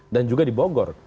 dan juga di bogor